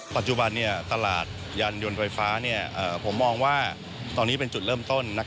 ปัจจุบันตลาดยานยนต์ไฟฟ้าผมมองว่าตอนนี้เป็นจุดเริ่มต้น